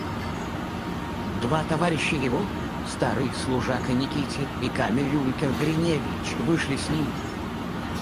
Два товарища его, старый служака Никитин и камер-юнкер Гриневич, вышли с ним.